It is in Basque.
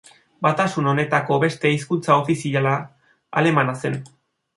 Batasun honetako beste hizkuntza ofiziala, alemana zen.